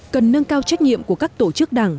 cần nâng cao trách nhiệm của các tổ chức đảng